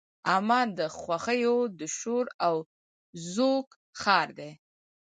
عمان د خوښیو د شور او زوږ ښار دی.